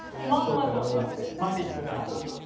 もうパニックだ。